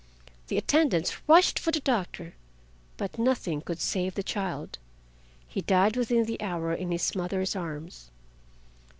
The attendants rushed for the doctor, but nothing could save the child—he died within the hour in his mother's arms.